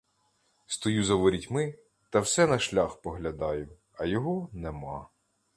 Стою за ворітьми та все на шлях поглядаю, а його нема.